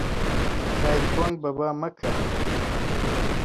کای کۆن بەبا مەکە